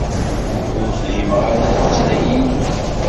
Ur fhimeɣ ara tuttra-nnem.